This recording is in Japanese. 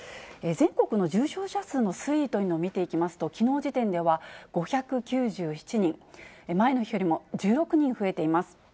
全国の重症者数の推移というのを見ていきますと、きのう時点では５９７人、前の日よりも１６人増えています。